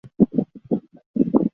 由曼迪传播发行。